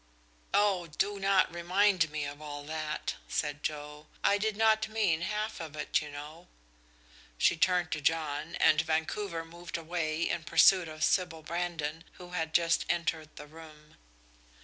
"Oh, do not remind me of all that," said Joe. "I did not mean half of it, you know." She turned to John, and Vancouver moved away in pursuit of Sybil Brandon, who had just entered the room.